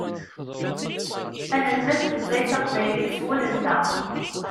Ad nelmed tutlayt taqbaylit s wul-nteɣ.